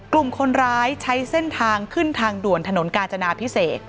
กลุ่มคนร้ายใช้เส้นทางขึ้นทางด่วนถนนกาญจนาพิเศษ